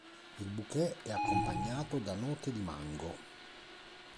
Il bouquet è accompagnato da note di mango.